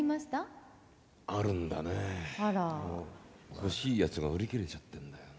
欲しいやつが売り切れちゃってんだよね。